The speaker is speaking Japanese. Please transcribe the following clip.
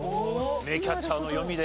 名キャッチャーの読みで。